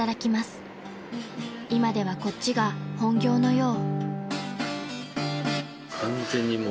［今ではこっちが本業のよう］